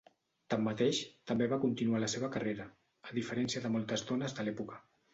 Tanmateix, també va continuar la seva carrera, a diferència de moltes dones de l'època.